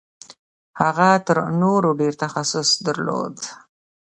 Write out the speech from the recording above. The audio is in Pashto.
هغه تر نورو ډېر تخصص درلود.